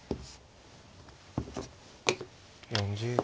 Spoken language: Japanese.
４０秒。